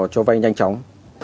cho vai nhanh chóng